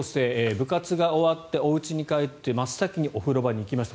部活が終わっておうちに帰って真っ先にお風呂場に行きました。